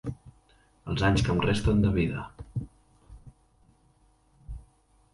Els anys que em resten de vida.